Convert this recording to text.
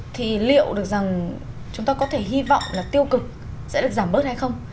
thì liệu được rằng chúng ta có thể hy vọng là tiêu cực sẽ được giảm bớt hay không